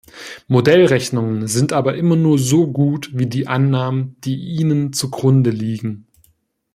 Modellrechnungen sind aber immer nur so gut wie die Annahmen, die ihnen zugrunde liegen.